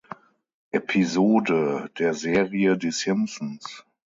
Episode der Serie "Die Simpsons".